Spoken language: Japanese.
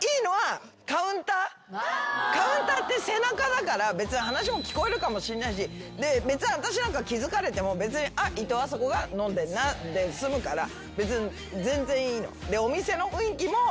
カウンターって背中だから話も聞こえるかもしれないしで別に私なんか気付かれてもいとうあさこが飲んでるなで済むから別に全然いいの。